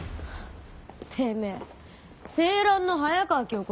てめぇ成蘭の早川京子